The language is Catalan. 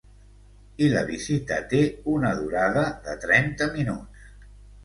I la visita té una durada de trenta minuts.